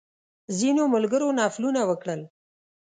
ځینو ملګرو نفلونه وکړل.